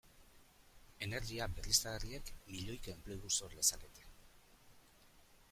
Energia berriztagarriek milioika enplegu sor lezakete.